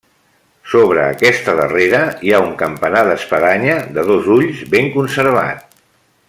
Sobre aquesta darrera hi ha un campanar d'espadanya de dos ulls ben conservat.